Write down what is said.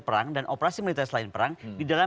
perang dan operasi militer selain perang di dalam